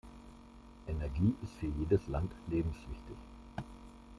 Energie ist für jedes Land lebenswichtig.